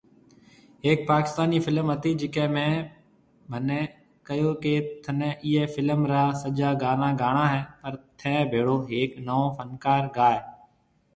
هيڪ پاڪستاني فلم هتي جڪي ۾منهي ڪهيو ڪي تني ايئي فلم را سجا گانا گاڻا هي پر ٿين ڀيڙو هيڪ نوئون فنڪار گاۿي